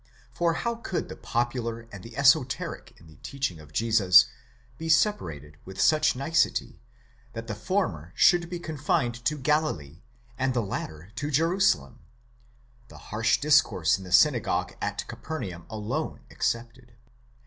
For how could the popular and the esoteric in the teaching of Jesus be separated with such nicety, that the former should be confined to Galilee, and the latter to Jerusalem (the harsh discourse in the synagogue at Capernaum alone ex cepted)?